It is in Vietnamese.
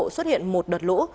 xuất hiện một đợt lũ